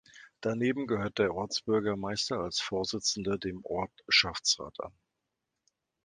Daneben gehört der Ortsbürgermeister als Vorsitzender dem Ortschaftsrat an.